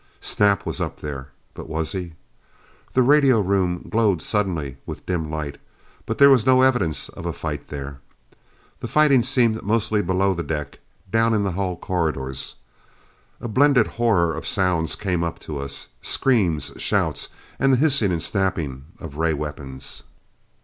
Snap was up there. But was he? The radio room glowed suddenly with dim light, but there was no evidence of a fight there. The fighting seemed mostly below the deck, down in the hull corridors. A blended horror of sounds came up to us. Screams, shouts and the hissing and snapping of ray weapons.